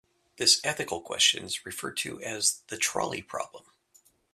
This ethical question is referred to as the trolley problem.